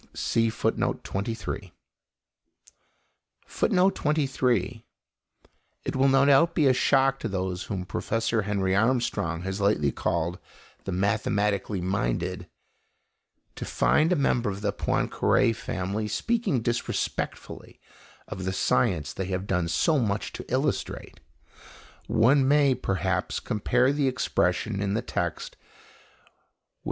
[Footnote 23: It will no doubt be a shock to those whom Professor Henry Armstrong has lately called the "mathematically minded" to find a member of the Poincaré family speaking disrespectfully of the science they have done so much to illustrate. One may perhaps compare the expression in the text with M.